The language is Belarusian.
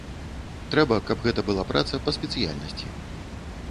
Трэба, каб гэта была праца па спецыяльнасці.